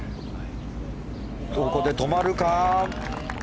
ここで止まるか。